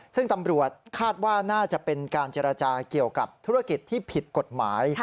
ซึ่งตำรวจคาดว่าน่าจะเป็นการเจรจาเกี่ยวกับธุรกิจที่ผิดกฎหมาย